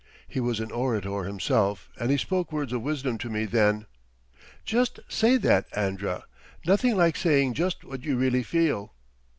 He was an orator himself and he spoke words of wisdom to me then. "Just say that, Andra; nothing like saying just what you really feel."